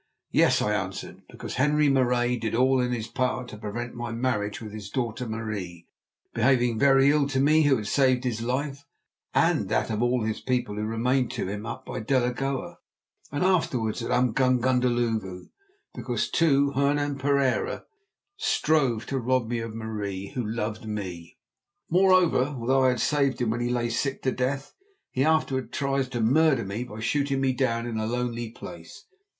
"Yes," I answered; "because Henri Marais did all in his power to prevent my marriage with his daughter Marie, behaving very ill to me who had saved his life and that of his people who remained to him up by Delagoa, and afterwards at Umgungundhlovu. Because, too, Hernan Pereira strove to rob me of Marie, who loved me. Moreover, although I had saved him when he lay sick to death, he afterwards tried to murder me by shooting me down in a lonely place.